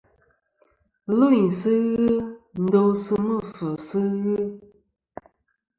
Lvɨyn sɨ ghɨ ndosɨ mɨ̂fvɨsɨ ghɨ.